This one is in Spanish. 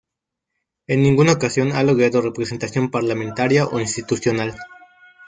En ninguna ocasión ha logrado representación parlamentaria o institucional.